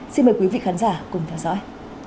xin mời quý vị khán giả cùng theo dõi